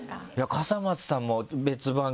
笠松さんも別番組でね